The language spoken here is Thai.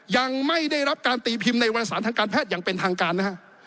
ยังไม่ได้รับการตีพิมพ์ในวารสารทางการแพทย์อย่างเป็นทางการนะฮะ